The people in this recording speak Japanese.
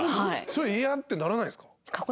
それ嫌！ってならないんですか？